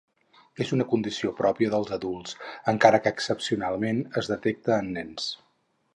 És una condició pròpia dels adults, encara que excepcionalment es detecta en nens.